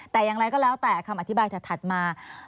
แต่อย่างไรก็แล้วแต่คำอธิบายถัดมา